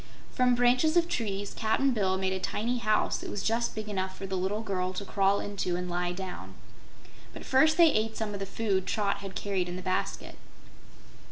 From branches of trees Cap'n Bill made a tiny house that was just big enough for the little girl to crawl into and lie down. But first they ate some of the food Trot had carried in the basket.